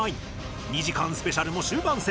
２時間スペシャルも終盤戦